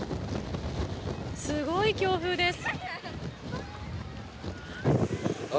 すごい強風です。